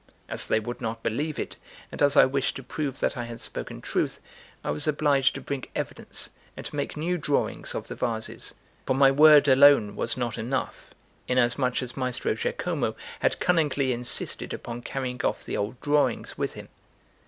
As they would not believe it, and as I wished to prove that I had spoken truth, I was obliged to bring evidence and to make new drawings of the vases; for my word alone was not enough, inasmuch as Maestro Giacomo had cunningly insisted upon carrying off the old drawings with him.